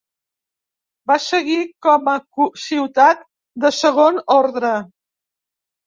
Va seguir com a ciutat de segon ordre.